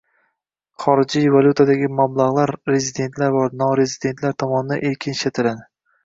Xorijiy valyutadagi mablag'lar rezidentlar va norezidentlar tomonidan erkin ishlatiladi